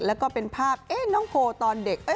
แล้วก็เป็นภาพน้องโพตอนเด็ก